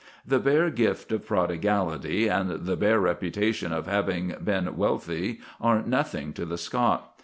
The bare gift of prodigality and the bare reputation of having been wealthy are nothing to the Scot.